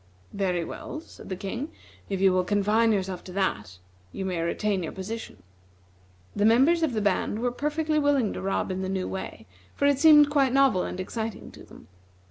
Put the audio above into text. "Very well," said the King, "if you will confine yourself to that, you may retain your position." The members of the band were perfectly willing to rob in the new way, for it seemed quite novel and exciting to them.